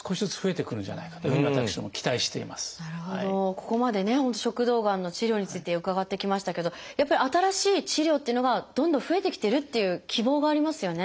ここまでね食道がんの治療について伺ってきましたけどやっぱり新しい治療っていうのがどんどん増えてきてるっていう希望がありますよね。